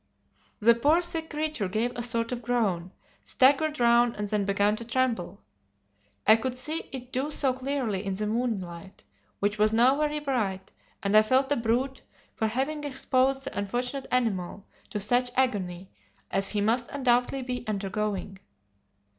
The poor sick creature gave a sort of groan, staggered round and then began to tremble. I could see it do so clearly in the moonlight, which was now very bright, and I felt a brute for having exposed the unfortunate animal to such agony as he must undoubtedly be undergoing.